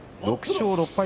６勝６敗